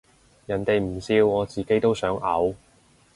人哋唔笑我自己都想嘔